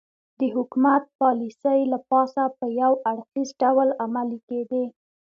د حکومت پالیسۍ له پاسه په یو اړخیز ډول عملي کېدې